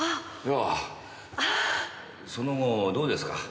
その後どうですか？